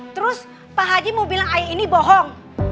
terus pak haji mau bilang ayah ini bohong